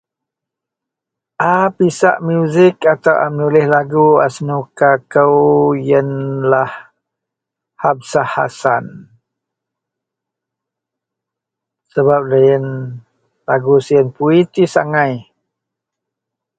a pisak musik atau a menulih lagu a senuka kou, ienlah habsah hassan, sebab loyien lagu sien puitis agai